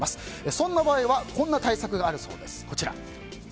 そんな場合はこんな対策があるそうです。